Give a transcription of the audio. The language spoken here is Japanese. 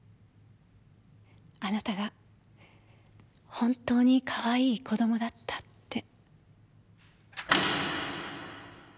あなたが本当にかわいい子供だったって。